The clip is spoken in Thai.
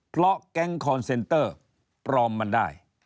เพราะแก๊งคอนเซนเตอร์ปลอมมันได้